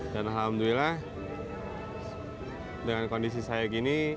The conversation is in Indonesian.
dan alhamdulillah dengan kondisi saya gini